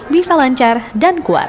bisa lancar dan kuat